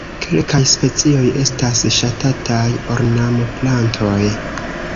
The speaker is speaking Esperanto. Kelkaj specioj estas ŝatataj ornamplantoj.